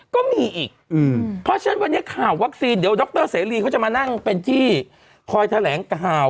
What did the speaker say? ก็มีอีกเพราะฉะนั้นวันนี้ข่าววัคซีนเดี๋ยวดรเสรีเขาจะมานั่งเป็นที่คอยแถลงข่าว